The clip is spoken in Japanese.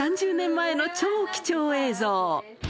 ３０年前の超貴重映像。